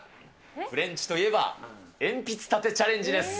フレンチといえば、鉛筆立てチャレンジです。